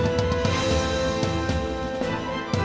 เมื่อ